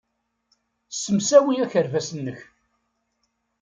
Ssemsawi akerbas-nnek.